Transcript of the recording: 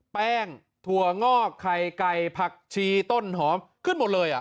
แป้งถั่วงอกไข่ไก่ผักชีต้นหอมขึ้นหมดเลย